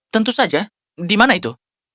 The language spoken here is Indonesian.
tentu saja di mana itu